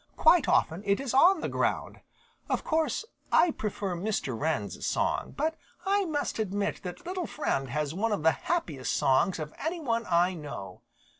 Quite often it is on the ground. Of course I prefer Mr. Wren's song, but I must admit that Little Friend has one of the happiest songs of any one I know.